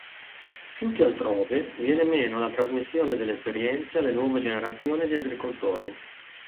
Più che altrove viene meno la trasmissione delle esperienze alle nuove generazioni di agricoltori.